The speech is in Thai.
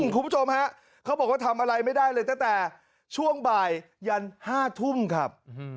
คุณผู้ชมฮะเขาบอกว่าทำอะไรไม่ได้เลยตั้งแต่ช่วงบ่ายยัน๕ทุ่มครับ